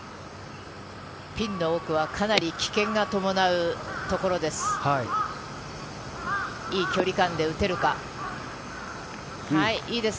ピンの奥はかなり危険が伴うところです。